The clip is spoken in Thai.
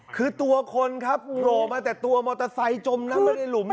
คือตัวคนครับโผล่มาแต่ตัวมอเตอร์ไซค์จมน้ำไปในหลุม